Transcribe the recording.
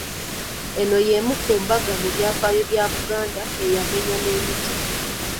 Eno y’emu ku mbaga mu byafaayo bya Buganda eyamenya n’emiti.